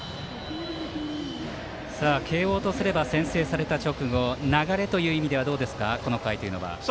慶応とすれば先制された直後流れという意味ではどうですかこの回は。